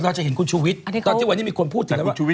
เราจะเห็นคุณชูวิทย์ตอนที่วันนี้มีคนพูดถึงแล้วว่า